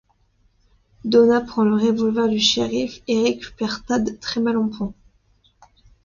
Donna prend le revolver du shérif et récupère Tad, très mal en point.